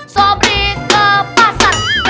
sobri ke pasar